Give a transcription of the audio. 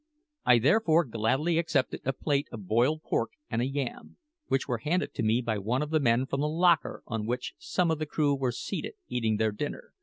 I therefore gladly accepted a plate of boiled pork and a yam, which were handed to me by one of the men from the locker on which some of the crew were seated eating their dinner.